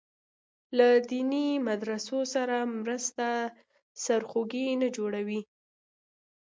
له دیني مدرسو سره مرسته سرخوږی نه جوړوي.